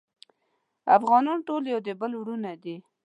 افغانان ټول د یو بل وروڼه دی